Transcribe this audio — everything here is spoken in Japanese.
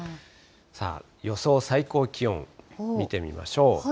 さあ、予想最高気温、見てみましょう。